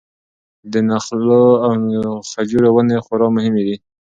د نخلو او خجورو ونې خورا مهمې دي.